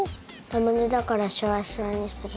ラムネだからシュワシュワにする。